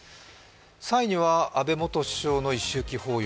３位には安倍元総理の一周忌法要。